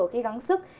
khi gắng sức